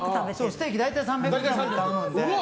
ステーキ大体３００ｇくらい頼んで。